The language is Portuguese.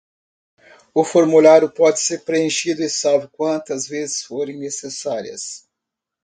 O formulário pode ser preenchido e salvo quantas vezes forem necessárias.